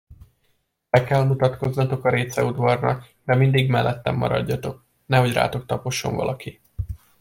Be kell mutatkoznotok a réceudvarnak, de mindig mellettem maradjatok, nehogy rátok taposson valaki.